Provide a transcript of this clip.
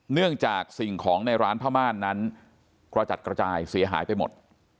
เนื่องจากสิ่งของในร้านผ้าม่านนั้นกระจัดกระจายเสียหายไปหมด